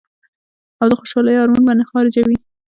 او د خوشالۍ هارمون به نۀ خارجوي -